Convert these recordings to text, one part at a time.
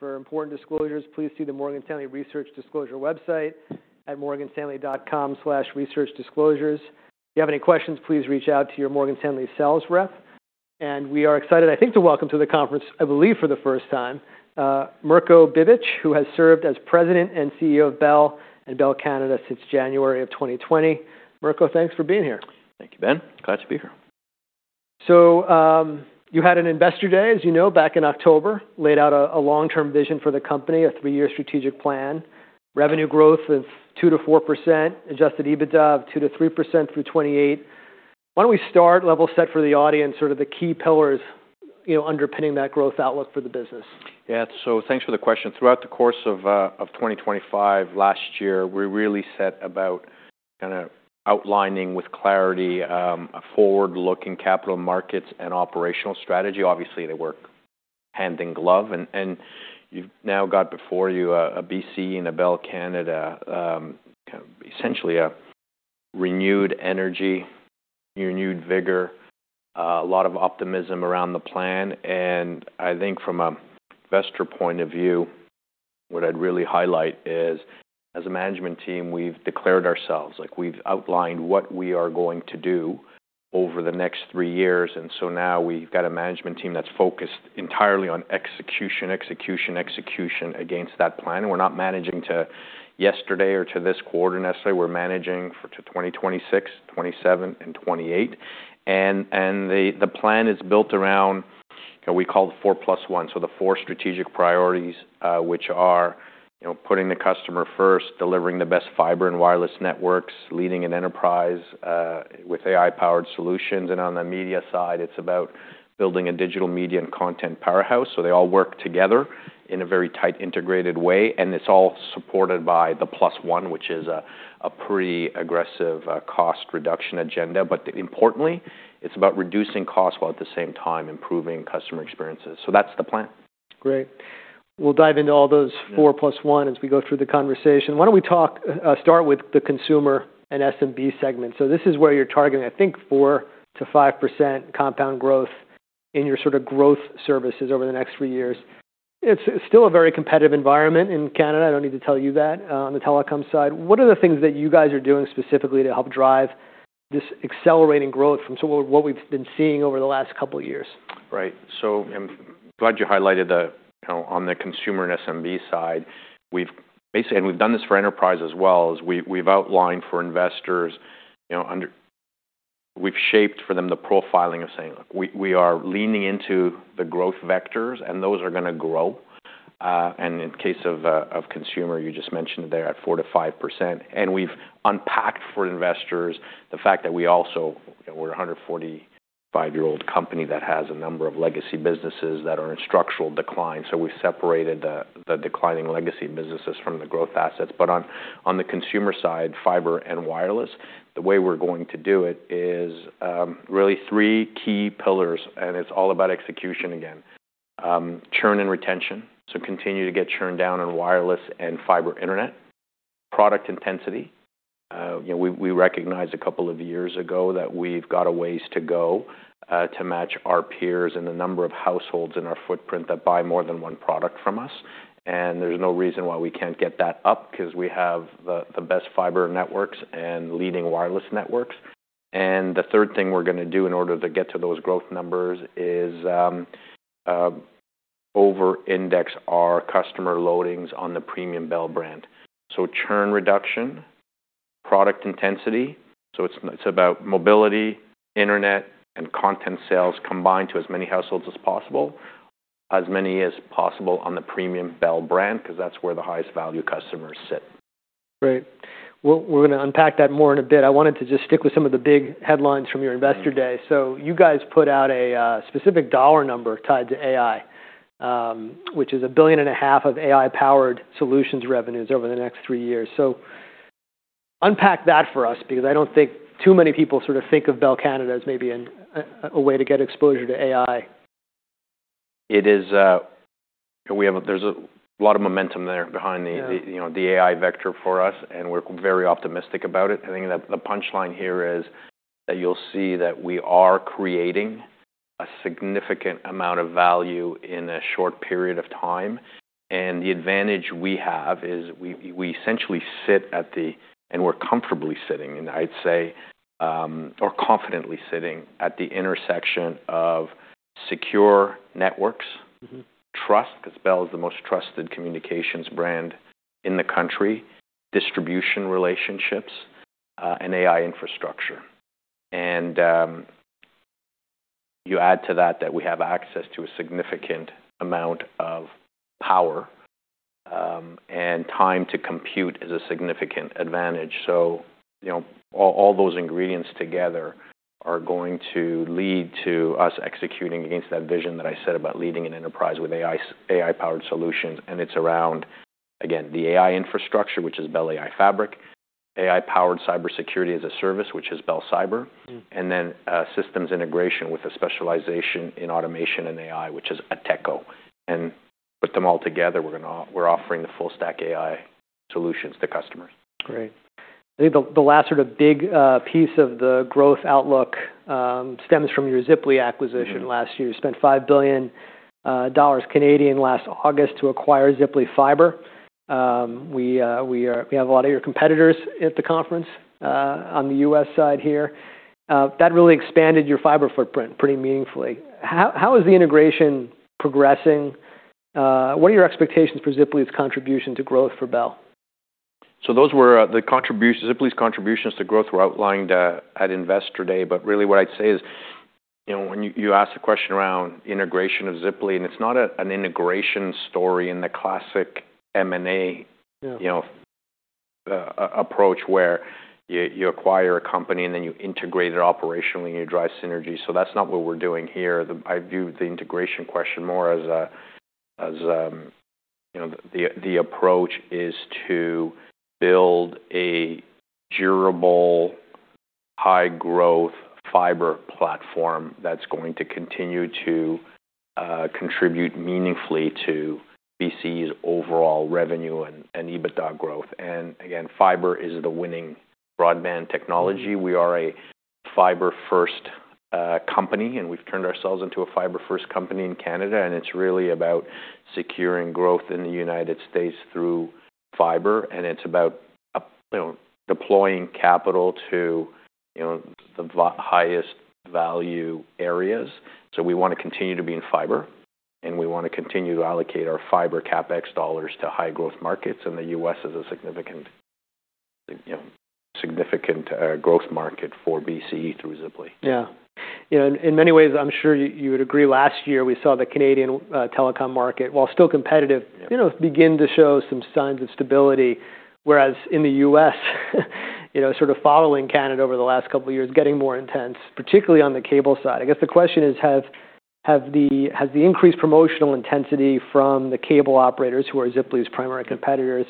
For important disclosures, please see the Morgan Stanley Research Disclosure website at morganstanley.com/researchdisclosures. If you have any questions, please reach out to your Morgan Stanley sales rep. We are excited, I think, to welcome to the conference, I believe for the first time, Mirko Bibic, who has served as President and CEO of Bell and Bell Canada since January of 2020. Mirko, thanks for being here. Thank you, Ben. Glad to be here. You had an investor day, as you know, back in October, laid out a long-term vision for the company, a three-year strategic plan. Revenue growth of 2%-4%, adjusted EBITDA of 2%-3% through 2028. Why don't we start, level set for the audience, sort of the key pillars, you know, underpinning that growth outlook for the business? Yeah. Thanks for the question. Throughout the course of 2025 last year, we really set about kind of outlining with clarity, a forward-looking capital markets and operational strategy. Obviously, they work hand in glove and you've now got before you a BCE and a Bell Canada, essentially a renewed energy, renewed vigor, a lot of optimism around the plan. I think from an investor point of view, what I'd really highlight is, as a management team, we've declared ourselves, like, we've outlined what we are going to do over the next three years. Now we've got a management team that's focused entirely on execution, execution against that plan. We're not managing to yesterday or to this quarter, necessarily. We're managing for to 2026, 2027 and 2028. The plan is built around, we call the 4 + 1. The four strategic priorities, you know, putting the customer first, delivering the best fiber and wireless networks, leading an enterprise with AI-powered solutions. On the media side, it's about building a digital media and content powerhouse. They all work together in a very tight, integrated way. It's all supported by the +1, which is a pretty aggressive cost reduction agenda. Importantly, it's about reducing costs while at the same time improving customer experiences. That's the plan. Great. We'll dive into all those 4 + 1 as we go through the conversation. Why don't we start with the consumer and SMB segment? This is where you're targeting, I think, 4% to 5% compound growth in your sort of growth services over the next three years. It's still a very competitive environment in Canada. I don't need to tell you that on the telecom side. What are the things that you guys are doing specifically to help drive this accelerating growth from sort of what we've been seeing over the last couple of years? Right. I'm glad you highlighted the, you know, on the consumer and SMB side. We've done this for enterprise as well as we've outlined for investors, you know, we've shaped for them the profiling of saying, look, we are leaning into the growth vectors, and those are going to grow. In case of consumer, you just mentioned they're at 4% to 5%. We've unpacked for investors the fact that we're a 145-year-old company that has a number of legacy businesses that are in structural decline. We separated the declining legacy businesses from the growth assets. On the consumer side, fiber and wireless, the way we're going to do it is really three key pillars, and it's all about execution again. Churn and retention, so continue to get churn down on wireless and fiber Internet. Product intensity. You know, we recognized a couple of years ago that we've got a ways to go to match our peers in the number of households in our footprint that buy more than 1 product from us. There's no reason why we can't get that up because we have the best fiber networks and leading wireless networks. The third thing we're gonna do in order to get to those growth numbers is over-index our customer loadings on the premium Bell brand. Churn reduction, product intensity, so it's about mobility, Internet, and content sales combined to as many households as possible, as many as possible on the premium Bell brand, 'cause that's where the highest value customers sit. Great. We're gonna unpack that more in a bit. I wanted to just stick with some of the big headlines from your investor day. You guys put out a specific dollar number tied to AI, which is a billion and a half of AI-powered solutions revenues over the next three years. Unpack that for us, because I don't think too many people sort of think of Bell Canada as maybe a way to get exposure to AI. It is. There's a lot of momentum there. Yeah You know, the AI vector for us, and we're very optimistic about it. I think that the punchline here is that you'll see that we are creating a significant amount of value in a short period of time. The advantage we have is we essentially sit at the... We're comfortably sitting in, I'd say, or confidently sitting at the intersection of secure networks, trust, 'cause Bell is the most trusted communications brand in the country, distribution relationships, and AI infrastructure. You add to that we have access to a significant amount of power, and time to compute is a significant advantage. You know, all those ingredients together are going to lead to us executing against that vision that I said about leading an enterprise with AI-powered solutions, it's around, again, the AI infrastructure, which is Bell AI Fabric, AI-powered cybersecurity as a service, which is Bell Cyber and then, systems integration with a specialization in automation and AI, which is Ateko. Put them all together, we're gonna we're offering the full stack AI solutions to customers. Great. I think the last sort of big piece of the growth outlook stems from your Ziply acquisition last year. Spent 5 billion Canadian dollars last August to acquire Ziply Fiber. We have a lot of your competitors at the conference on the U.S. side here. That really expanded your fiber footprint pretty meaningfully. How is the integration progressing? What are your expectations for Ziply's contribution to growth for Bell? Those were the contributions. Ziply's contributions to growth were outlined at Investor Day. Really what I'd say is, you know, when you ask the question around integration of Ziply, it's not an integration story in the classic M&A. Yeah You know, approach where you acquire a company and then you integrate it operationally and you drive synergy. That's not what we're doing here. I view the integration question more as a, as a, you know, the approach is to build a durable high growth fiber platform that's going to continue to contribute meaningfully to BCE's overall revenue and EBITDA growth. Again, fiber is the winning broadband technology. We are a fiber first company. We've turned ourselves into a fiber first company in Canada. It's really about securing growth in the United States through fiber. It's about up, you know, deploying capital to, you know, the highest value areas. We want to continue to be in fiber, and we want to continue to allocate our fiber CapEx dollars to high growth markets, and the U.S. is a you know, significant growth market for BCE through Ziply Fiber. Yeah. You know, in many ways, I'm sure you would agree, last year we saw the Canadian telecom market. Yeah You know, begin to show some signs of stability. Whereas in the U.S., you know, sort of following Canada over the last couple of years, getting more intense, particularly on the cable side. I guess the question is has the increased promotional intensity from the cable operators, who are Ziply's primary competitors,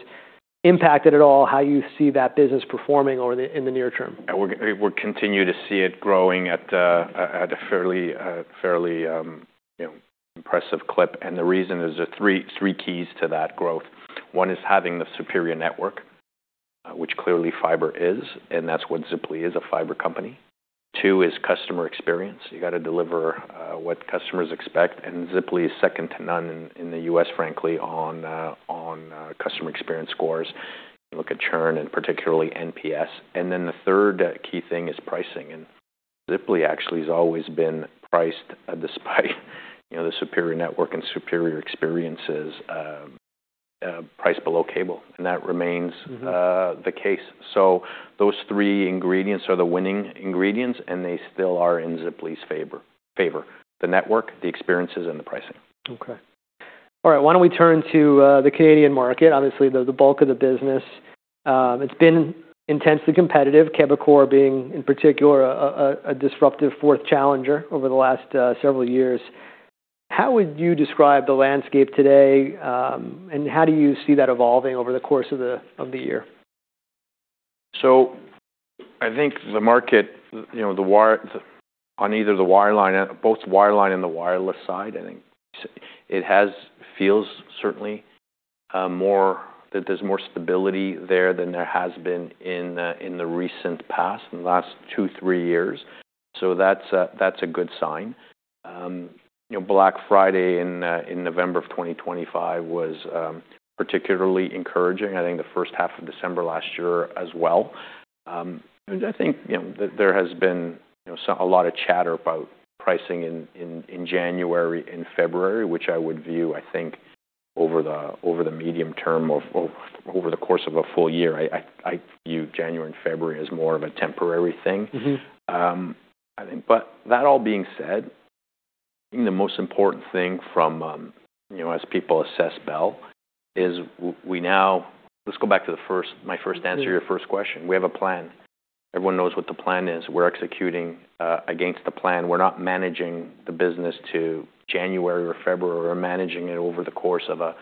impacted at all how you see that business performing in the near term? We're continue to see it growing at a fairly, you know, impressive clip. The reason, there's three keys to that growth. One is having the superior network, which clearly fiber is, and that's what Ziply is, a fiber company. Two is customer experience. You got to deliver what customers expect, and Ziply is second to none in the U.S., frankly, on customer experience scores. Look at churn and particularly NPS. Then the third key thing is pricing. Ziply actually has always been priced despite, you know, the superior network and superior experiences, priced below cable, and that remains the case. Those three ingredients are the winning ingredients, and they still are in Ziply's favor: the network, the experiences, and the pricing. Okay. All right. Why don't we turn to the Canadian market? Obviously, the bulk of the business. It's been intensely competitive, Quebecor being, in particular, a disruptive fourth challenger over the last several years. How would you describe the landscape today, and how do you see that evolving over the course of the year? I think the market, you know, both wireline and the wireless side, feels certainly more stability there than there has been in the recent past, in the last two to three years. That's a good sign. You know, Black Friday in November of 2025 was particularly encouraging. I think the first half of December last year as well. I think, you know, there has been, you know, a lot of chatter about pricing in January and February, which I would view, I think over the medium term over the course of a full year. I view January and February as more of a temporary thing. I think, that all being said, I think the most important thing from, you know, as people assess Bell is Let's go back to my first answer to your first question. We have a plan. Everyone knows what the plan is. We're executing against the plan. We're not managing the business to January or February. We're managing it over the course of a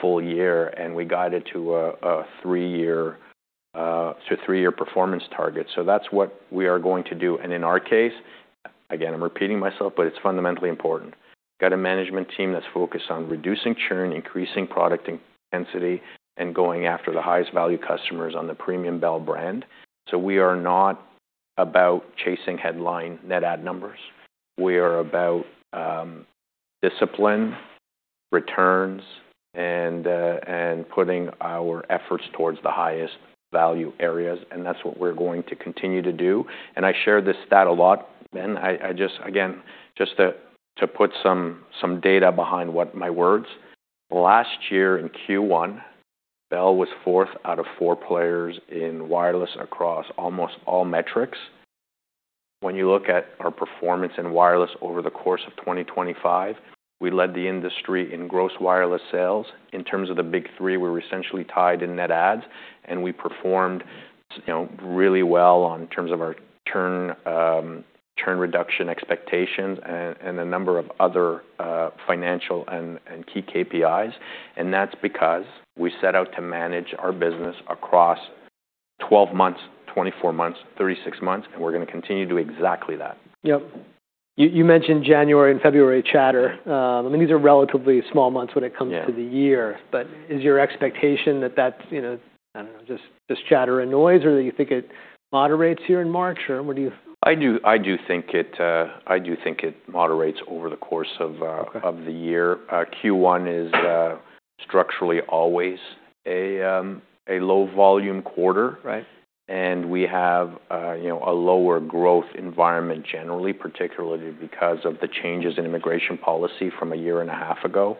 full year, and we got it to a three-year performance target. That's what we are going to do. In our case, again, I'm repeating myself, but it's fundamentally important. Got a management team that's focused on reducing churn, increasing product intensity, and going after the highest value customers on the premium Bell brand. We are not about chasing headline net add numbers. We are about discipline, returns, and putting our efforts towards the highest value areas, and that's what we're going to continue to do. I share this stat a lot, and I just... Again, just to put some data behind what my words. Last year in Q1, Bell was four out of four players in wireless across almost all metrics. When you look at our performance in wireless over the course of 2025, we led the industry in gross wireless sales. In terms of the big three, we're essentially tied in net adds, and we performed, you know, really well on terms of our churn reduction expectations and a number of other financial and key KPIs. That's because we set out to manage our business across 12 months, 24 months, 36 months, and we're gonna continue to do exactly that. Yep. You mentioned January and February chatter. I mean, these are relatively small months when it comes- Yeah -to the year. Is your expectation that that's, you know, I don't know, just chatter and noise, or that you think it moderates here in March, or what do you- I do think it moderates over the course of- Okay -of the year. Q1 is structurally always a low volume quarter. Right. We have, you know, a lower growth environment generally, particularly because of the changes in immigration policy from a year and a half ago.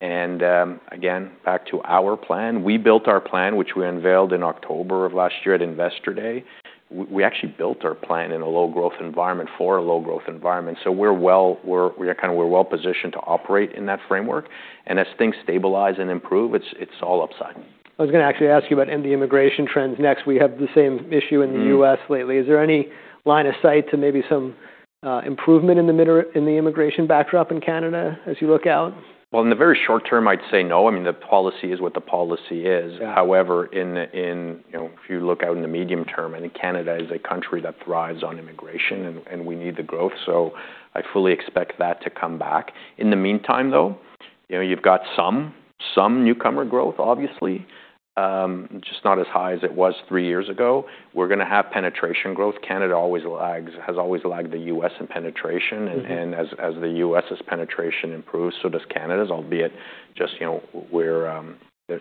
Again, back to our plan, we built our plan, which we unveiled in October of last year at Investor Day. We actually built our plan in a low growth environment for a low growth environment. We are well, we are kind of, we are well positioned to operate in that framework. As things stabilize and improve, it is all upside. I was gonna actually ask you about ND immigration trends next. We have the same issue in the U.S. lately. Is there any line of sight to maybe some improvement in the immigration backdrop in Canada as you look out? Well, in the very short term, I'd say no. I mean, the policy is what the policy is. Yeah. However, if you look out in the medium term, Canada is a country that thrives on immigration and we need the growth, so I fully expect that to come back. In the meantime, though, you know, you've got some newcomer growth, obviously, just not as high as it was three years ago. We're gonna have penetration growth. Canada always lags, has always lagged the U.S. in penetration. As the U.S.'s penetration improves, so does Canada's, albeit just, you know, where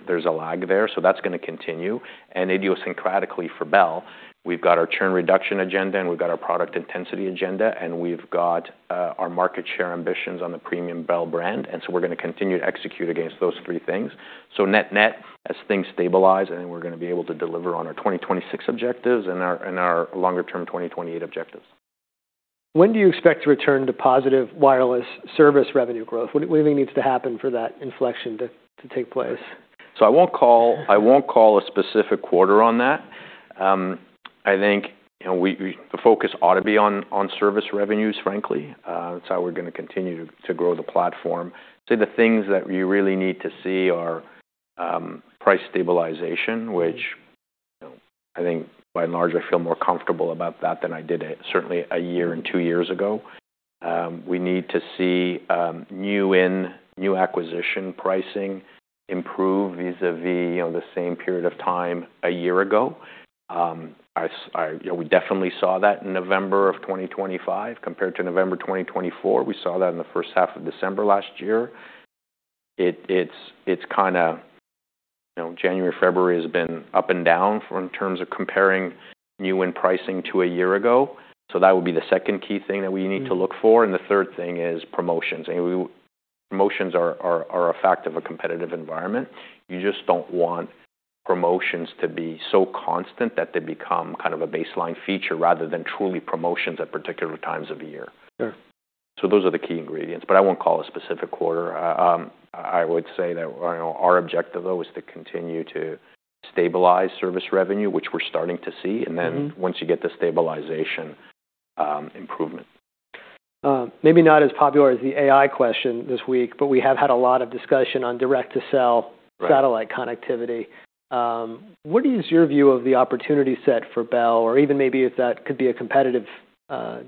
there's a lag there. That's gonna continue. Idiosyncratically for Bell, we've got our churn reduction agenda, we've got our product intensity agenda, and we've got our market share ambitions on the premium Bell brand, and we're gonna continue to execute against those three things. Net-net, as things stabilize, we're gonna be able to deliver on our 2026 objectives and our longer term 2028 objectives. When do you expect to return to positive wireless service revenue growth? What do we need to happen for that inflection to take place? I won't call a specific quarter on that. I think, you know, the focus ought to be on service revenues, frankly. That's how we're gonna continue to grow the platform. The things that you really need to see are price stabilization, which, you know, I think by and large, I feel more comfortable about that than I did at certainly a year and two years ago. We need to see new win, new acquisition pricing improve vis-a-vis, you know, the same period of time a year ago. I think, you know, we definitely saw that in November 2025 compared to November 2024. We saw that in the first half of December last year. It's kind of, you know, January, February has been up and down from in terms of comparing new win pricing to a year ago, that would be the second key thing that we need to look for. The third thing is promotions. Promotions are a fact of a competitive environment. You just don't want promotions to be so constant that they become kind of a baseline feature rather than truly promotions at particular times of the year. Sure. Those are the key ingredients, but I won't call a specific quarter. I would say that, you know, our objective, though, is to continue to stabilize service revenue, which we're starting to see. Once you get the stabilization, improvement. Maybe not as popular as the AI question this week, but we have had a lot of discussion on direct-to-cell- Right -satellite connectivity. What is your view of the opportunity set for Bell? Or even maybe if that could be a competitive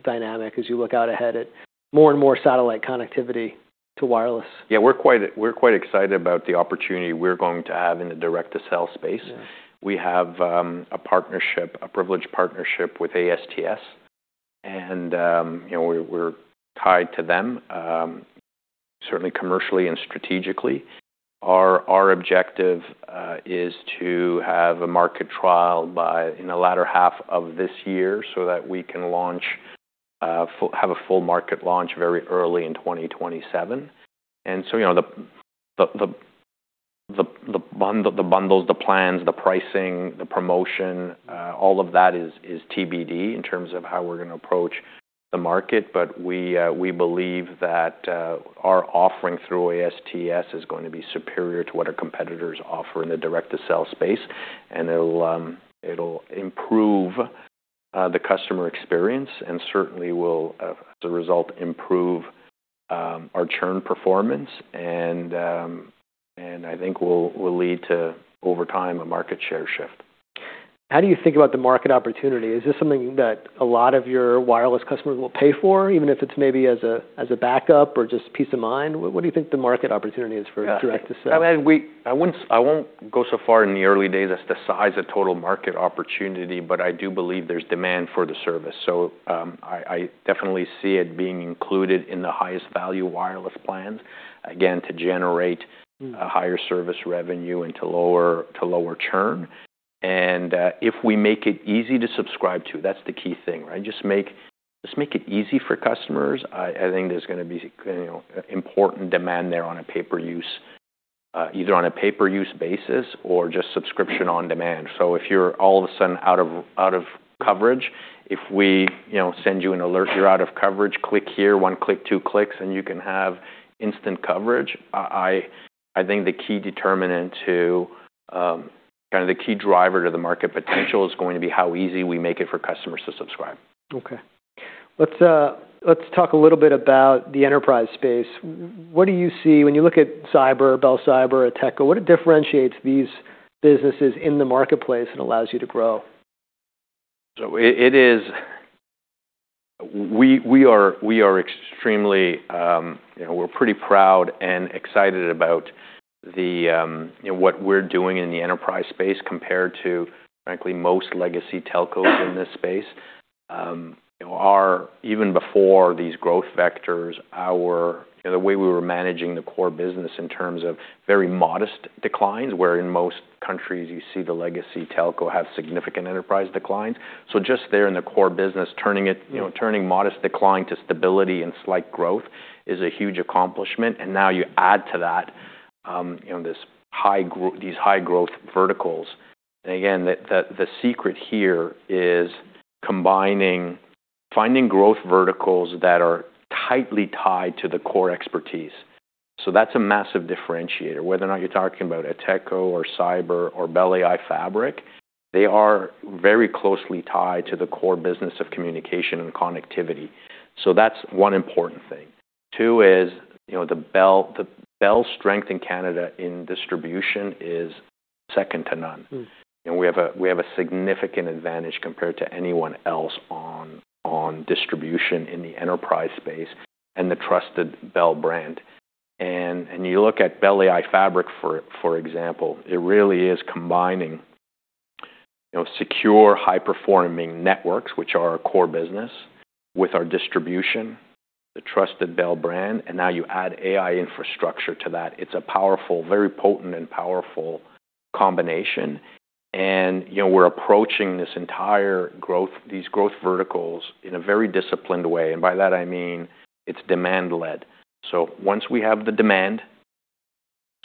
dynamic as you look out ahead at more and more satellite connectivity to wireless. Yeah. We're quite excited about the opportunity we're going to have in the direct-to-cell space. Yeah. We have a partnership, a privileged partnership with AST SpaceMobile, and you know, we're tied to them, certainly commercially and strategically. Our objective is to have a market trial in the latter half of this year so that we can launch, have a full market launch very early in 2027. The bundles, the plans, the pricing, the promotion, all of that is TBD in terms of how we're gonna approach the market. We believe that our offering through AST SpaceMobile is going to be superior to what our competitors offer in the direct-to-cell space. It'll improve the customer experience and certainly will, as a result, improve our churn performance and I think will lead to over time a market share shift. How do you think about the market opportunity? Is this something that a lot of your wireless customers will pay for, even if it's maybe as a backup or just peace of mind? What do you think the market opportunity is for direct-to-cell? Yeah. I mean, we... I won't go so far in the early days as the size of total market opportunity, but I do believe there's demand for the service. I definitely see it being included in the highest value wireless plans, again, to generate a higher service revenue and to lower churn. If we make it easy to subscribe to, that's the key thing, right? Just make it easy for customers. I think there's gonna be, you know, important demand there on a pay per use, either on a pay per use basis or just subscription on demand. If you're all of a sudden out of coverage, if we send you an alert, "You're out of coverage. Click here." One click, two clicks, and you can have instant coverage. I think the key determinant to, kinda the key driver to the market potential is going to be how easy we make it for customers to subscribe. Okay. Let's talk a little bit about the enterprise space. What do you see when you look at cyber, Bell Cyber, Ateko, what differentiates these businesses in the marketplace and allows you to grow. We are extremely, you know, we're pretty proud and excited about the, you know, what we're doing in the enterprise space compared to, frankly, most legacy telcos in this space. You know, even before these growth vectors, our, you know, the way we were managing the core business in terms of very modest declines, where in most countries you see the legacy telco have significant enterprise declines. Just there in the core business, turning it, you know, turning modest decline to stability and slight growth is a huge accomplishment. Now you add to that, you know, these high growth verticals. Again, the secret here is combining, finding growth verticals that are tightly tied to the core expertise. That's a massive differentiator. Whether or not you're talking about a telco or cyber or Bell AI Fabric, they are very closely tied to the core business of communication and connectivity. That's one important thing. Two is, you know, the Bell strength in Canada in distribution is second to none. We have a significant advantage compared to anyone else on distribution in the enterprise space and the trusted Bell brand. You look at Bell AI Fabric, for example, it really is combining secure high-performing networks, which are our core business, with our distribution, the trusted Bell brand, and now you add AI infrastructure to that. It's a very potent and powerful combination. You know, we're approaching this entire growth, these growth verticals in a very disciplined way. By that I mean it's demand led. Once we have the demand,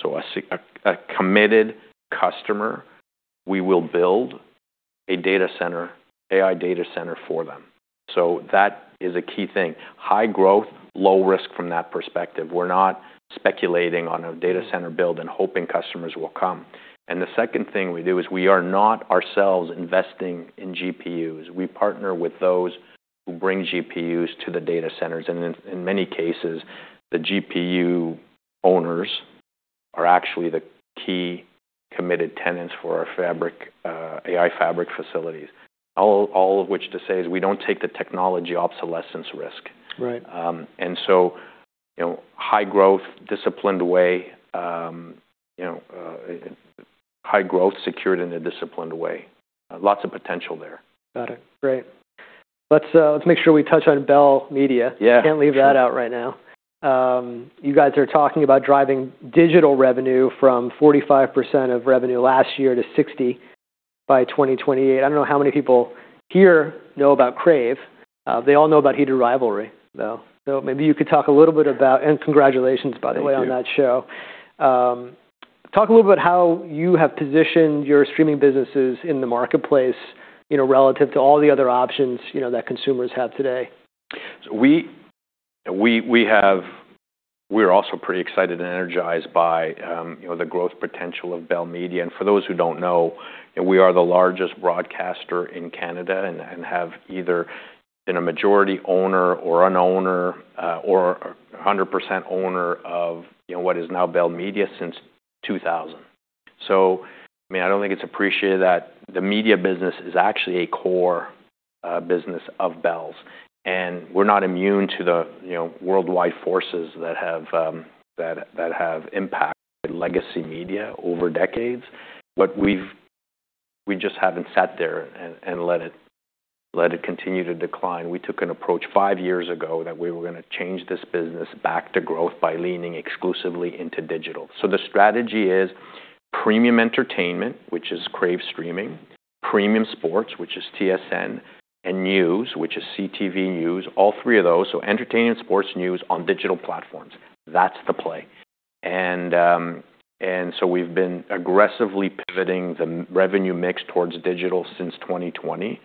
a committed customer, we will build a data center, AI data center for them. That is a key thing. High growth, low risk from that perspective. We're not speculating on a data center build and hoping customers will come. The second thing we do is we are not ourselves investing in GPUs. We partner with those who bring GPUs to the data centers. In many cases, the GPU owners are actually the key committed tenants for our AI fabric facilities. All of which to say is we do not take the technology obsolescence risk. Right. You know, high growth, disciplined way, you know, high growth secured in a disciplined way. Lots of potential there. Got it. Great. Let's make sure we touch on Bell Media. Yeah. Can't leave that out right now. You guys are talking about driving digital revenue from 45% of revenue last year to 60% by 2028. I don't know how many people here know about Crave. They all know about Heated Rivalry, though. Maybe you could talk a little bit about... Congratulations, by the way, on that show. Thank you. Talk a little bit how you have positioned your streaming businesses in the marketplace, you know, relative to all the other options, you know, that consumers have today. We are also pretty excited and energized by, you know, the growth potential of Bell Media. For those who don't know, we are the largest broadcaster in Canada and have either been a majority owner or an owner, or a 100% owner of what is now Bell Media since 2000. I mean, I don't think it's appreciated that the media business is actually a core business of Bell. We are not immune to the, you know, worldwide forces that have impacted legacy media over decades. We just haven't sat there and let it continue to decline. We took an approach five years ago that we were going to change this business back to growth by leaning exclusively into digital. The strategy is premium entertainment, which is Crave streaming, premium sports, which is TSN, and news, which is CTV News, all three of those. Entertainment, sports, news on digital platforms. That's the play. We've been aggressively pivoting the revenue mix towards digital since 2020.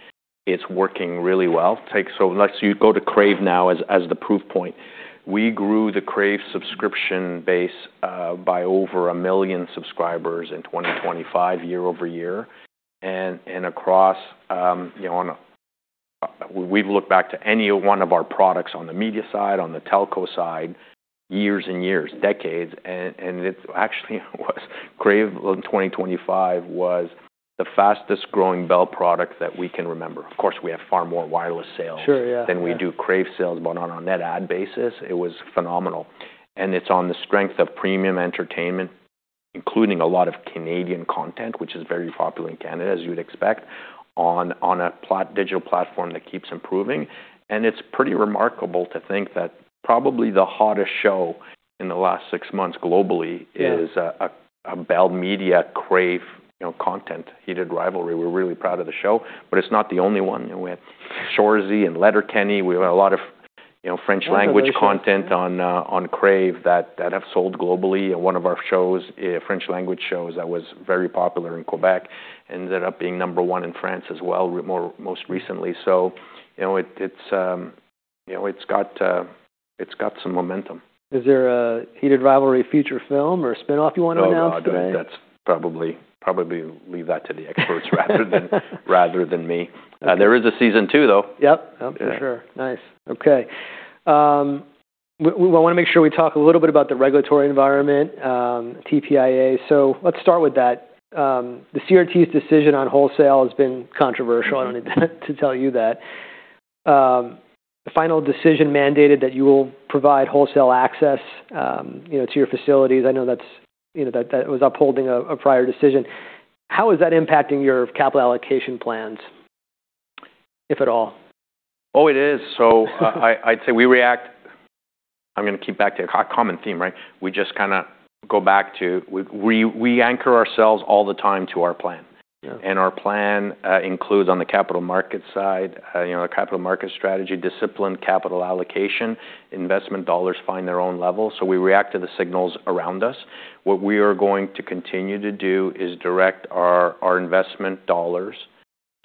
It's working really well. Take... Let's... You go to Crave now as the proof point. We grew the Crave subscription base by over 1 million subscribers in 2025 year-over-year. Across, you know, on a... We've looked back to any one of our products on the media side, on the telco side, years and years, decades, and it's actually was... Crave in 2025 was the fastest growing Bell product that we can remember. Of course, we have far more wireless sales- Sure. Yeah. -than we do Crave sales, but on a net add basis, it was phenomenal. It's on the strength of premium entertainment, including a lot of Canadian content, which is very popular in Canada, as you would expect, on a digital platform that keeps improving. It's pretty remarkable to think that probably the hottest show in the last six months globally- Yeah -is a Bell Media Crave, you know, content, Heated Rivalry. We're really proud of the show, but it's not the only one. You know, we had Shoresy and Letterkenny. We have a lot of, you know, French language content on Crave that have sold globally. One of our French language shows that was very popular in Quebec ended up being number one in France as well, most recently. You know, it's got, you know, it's got some momentum. Is there a Heated Rivalry feature film or a spin-off you wanna announce today? Oh, God, probably leave that to the experts rather than me. Okay. There is a season two, though. Yep. Yep. For sure. Yeah. Nice. Okay. We wanna make sure we talk a little bit about the regulatory environment, TPIA. Let's start with that. The CRTC's decision on wholesale has been controversial. I don't need to tell you that. The final decision mandated that you will provide wholesale access, you know, to your facilities. I know that's, you know, that was upholding a prior decision. How is that impacting your capital allocation plans, if at all? Oh, it is. I’d say we react... I’m gonna keep back to a common theme, right? We just kinda go back to... We anchor ourselves all the time to our plan. Yeah. Our plan includes on the capital market side a capital market strategy, discipline, capital allocation, investment dollars find their own level, we react to the signals around us. What we are going to continue to do is direct our investment dollars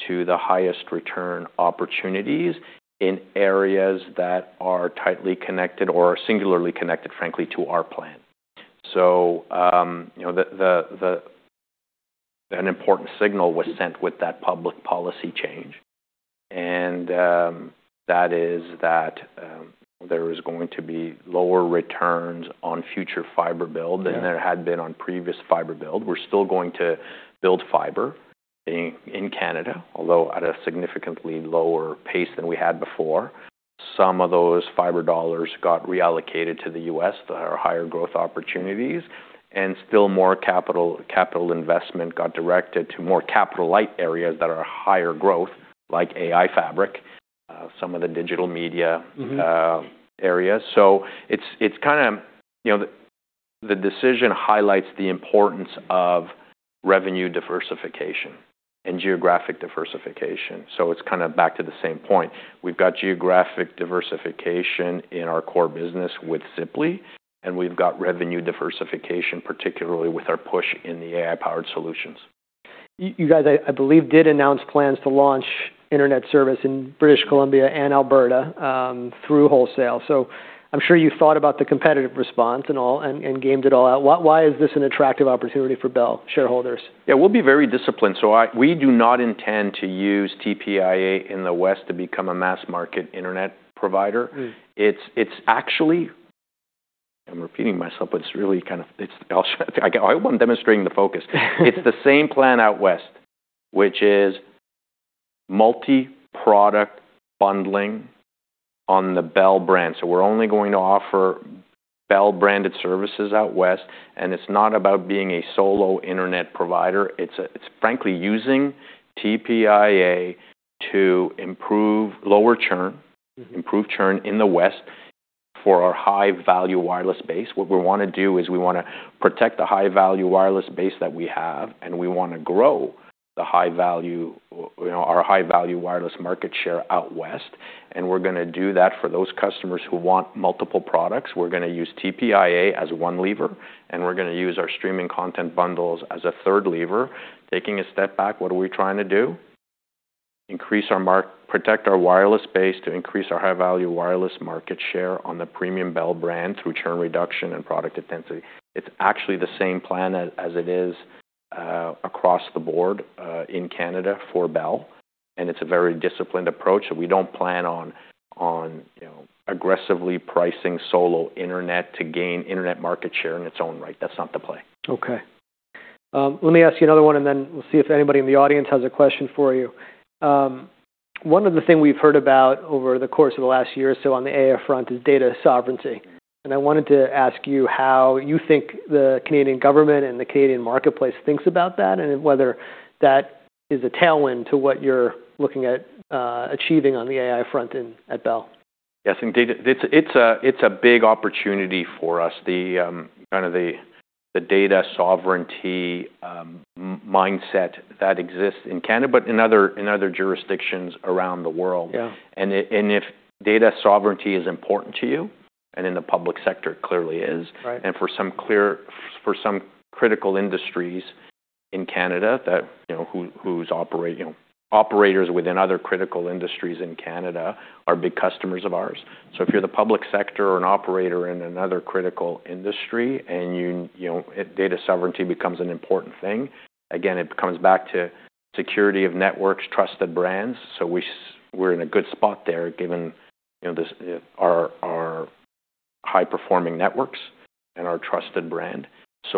to the highest return opportunities in areas that are tightly connected or singularly connected, frankly, to our plan. You know, an important signal was sent with that public policy change, and that is that there is going to be lower returns on future fiber build- Yeah -than there had been on previous fiber build. We're still going to build fiber in Canada, although at a significantly lower pace than we had before. Some of those fiber dollars got reallocated to the U.S. that are higher growth opportunities, and still more capital investment got directed to more capital light areas that are higher growth, like AI Fabric, some of the digital media areas. It's kinda, you know, the decision highlights the importance of revenue diversification and geographic diversification. It's kinda back to the same point. We've got geographic diversification in our core business with Ziply, and we've got revenue diversification, particularly with our push in the AI-powered solutions. You guys, I believe, did announce plans to launch internet service in British Columbia and Alberta through wholesale. I'm sure you've thought about the competitive response and all and gamed it all out. Why is this an attractive opportunity for Bell shareholders? Yeah, we'll be very disciplined. We do not intend to use TPIA in the West to become a mass market internet provider. It's actually, I'm repeating myself, but it's really kind of, I want demonstrating the focus. It's the same plan out west, which is multi-product bundling on the Bell brand. We're only going to offer Bell-branded services out west, and it's not about being a solo internet provider. It's frankly using TPIA to improve lower churn- -improve churn in the West for our high-value wireless base. What we wanna do is we wanna protect the high-value wireless base that we have, and we wanna grow the high-value, you know, our high-value wireless market share out West, and we're gonna do that for those customers who want multiple products. We're gonna use TPIA as one lever, and we're gonna use our streaming content bundles as a third lever. Taking a step back, what are we trying to do? Increase our mark... protect our wireless base to increase our high-value wireless market share on the premium Bell brand through churn reduction and product intensity. It's actually the same plan as it is across the board in Canada for Bell, and it's a very disciplined approach that we don't plan on, you know, aggressively pricing solo internet to gain internet market share in its own right. That's not the play. Okay. Let me ask you another one, and then we'll see if anybody in the audience has a question for you. One of the things we've heard about over the course of the last year or so on the AI front is data sovereignty, and I wanted to ask you how you think the Canadian government and the Canadian marketplace think about that and whether that is a tailwind to what you're looking at achieving on the AI front at Bell. Yes, indeed. It's a big opportunity for us, the data sovereignty mindset that exists in Canada but in other jurisdictions around the world. Yeah. If data sovereignty is important to you and in the public sector clearly is. Right For some critical industries in Canada that, you know, operators within other critical industries in Canada are big customers of ours. If you're the public sector or an operator in another critical industry and you know, data sovereignty becomes an important thing, it comes back to security of networks, trusted brands. We are in a good spot there given, you know, our high-performing networks and our trusted brand.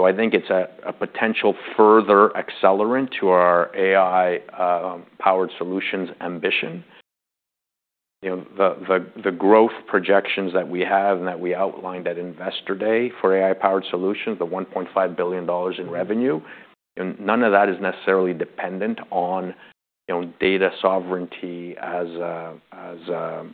I think it's a potential further accelerant to our AI powered solutions ambition. You know, the growth projections that we have and that we outlined at Investor Day for AI-powered solutions, the $1.5 billion in revenue, and none of that is necessarily dependent on, you know, data sovereignty as a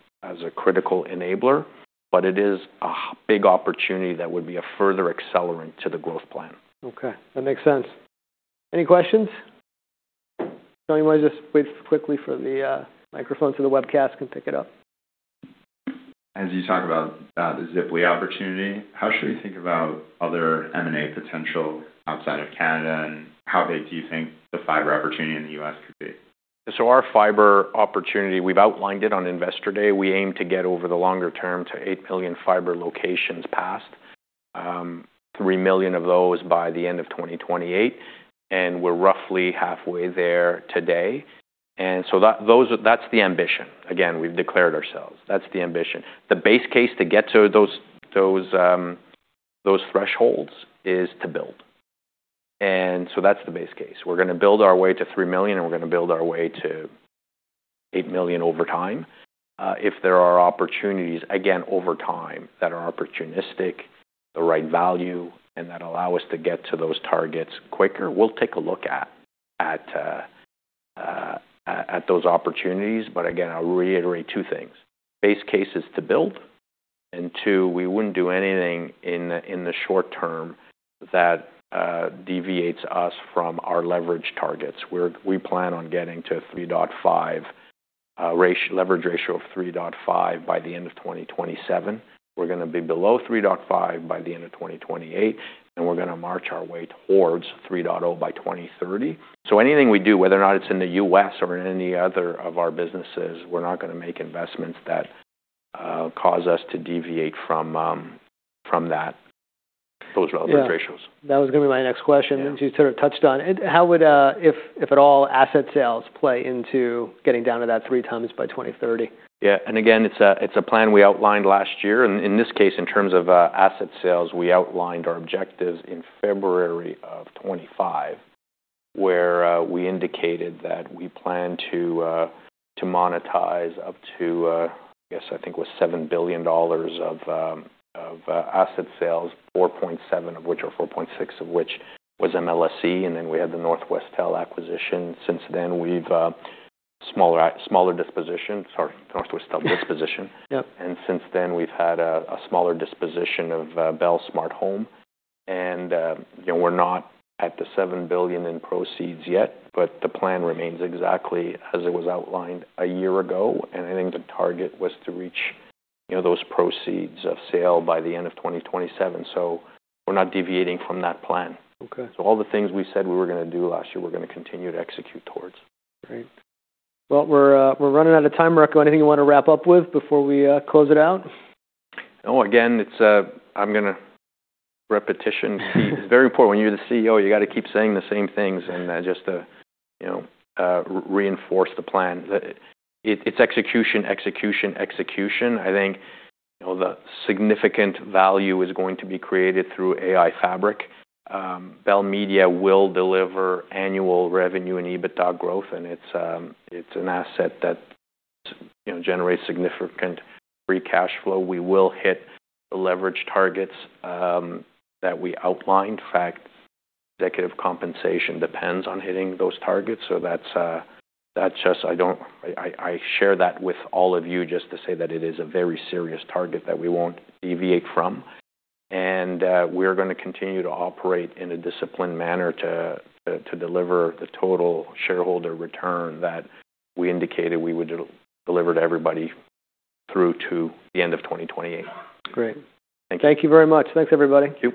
critical enabler, but it is a big opportunity that would be a further accelerant to the growth plan. Okay. That makes sense. Any questions? Tony, you wanna just wait quickly for the microphone so the webcast can pick it up. As you talk about the Ziply opportunity, how should we think about other M&A potential outside of Canada, and how big do you think the fiber opportunity in the U.S. could be? Our fiber opportunity, we've outlined it on Investor Day. We aim to get over the longer term to 8 million fiber locations passed. Three million of those by the end of 2028, and we're roughly halfway there today. Those are the ambition. Again, we've declared ourselves. That's the ambition. The base case to get to those thresholds is to build. That's the base case. We're gonna build our way to 3 million, and we're gonna build our way to 8 million over time. If there are opportunities, again, over time, that are opportunistic, the right value, and that allow us to get to those targets quicker, we'll take a look at those opportunities. Again, I'll reiterate two things. Base case is to build, and we wouldn't do anything in the short term that deviates us from our leverage targets, where we plan on getting to a 3.5 leverage ratio by the end of 2027. We're gonna be below 3.5 by the end of 2028, and we're gonna march our way towards 3.0 by 2030. Anything we do, whether or not it's in the U.S. or in any other of our businesses, we're not gonna make investments that cause us to deviate from those leverage ratios. Yeah. That was gonna be my next question. Yeah. Which you sort of touched on. How would, if at all, asset sales play into getting down to that 3x by 2030? Yeah. It's a plan we outlined last year. In this case, in terms of asset sales, we outlined our objectives in February of 2025, where we indicated that we plan to monetize up to 7 billion dollars of asset sales, 4.7 billion of which or 4.6 billion of which was Maple Leaf Sports & Entertainment, and then we had the Northwestel disposition. Since then we've had a smaller disposition. Sorry, Northwestel disposition. Yep. Since then, we've had a smaller disposition of Bell Smart Home. You know, we're not at the 7 billion in proceeds yet, but the plan remains exactly as it was outlined a year ago. I think the target was to reach those proceeds of sale by the end of 2027. We're not deviating from that plan. Okay. All the things we said we were gonna do last year, we're gonna continue to execute towards. Great. Well, we're running out of time, Mirko. Anything you wanna wrap up with before we close it out? Oh, again, it's very important when you're the CEO, you gotta keep saying the same things just to, you know, reinforce the plan. It's execution, execution. I think, you know, the significant value is going to be created through AI fabric. Bell Media will deliver annual revenue and EBITDA growth, and it's an asset that, you know, generates significant free cash flow. We will hit the leverage targets that we outlined. In fact, executive compensation depends on hitting those targets. I share that with all of you just to say that it is a very serious target that we won't deviate from. We're going to continue to operate in a disciplined manner to deliver the total shareholder return that we indicated we would deliver to everybody through to the end of 2028. Great. Thank you. Thank you very much. Thanks, everybody. Thank you.